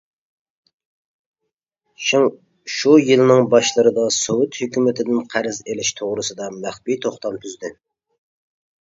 شىڭ شۇ يىلىنىڭ باشلىرىدا سوۋېت ھۆكۈمىتىدىن قەرز ئېلىش توغرىسىدا مەخپىي توختام تۈزىدى.